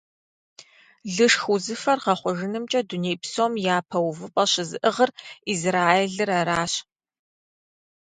Лышх узыфэр гъэхъужынымкӀэ дуней псом япэ увыпӀэр щызыӀыгъыр Израилыр аращ.